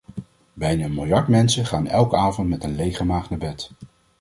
Bijna een miljard mensen gaan elke avond met een lege maag naar bed.